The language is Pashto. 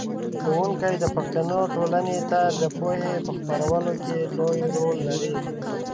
ښوونکی د پښتنو ټولنې ته د پوهې په خپرولو کې لوی رول لري.